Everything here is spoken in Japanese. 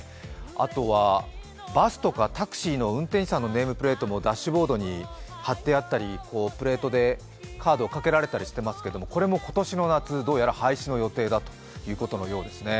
あとはバスとかタクシーの運転手さんのネームプレートもダッシュボードに貼ってあったりプレートでカードをかけられていたりしますがこれも今年の夏、どうやら廃止の予定だということです。